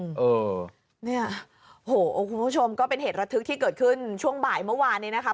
เออเนี่ยโหคุณผู้ชมก็เป็นเหตุระทึกที่เกิดขึ้นช่วงบ่ายเมื่อวานนี้นะคะ